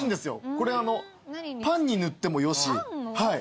これパンに塗ってもよし。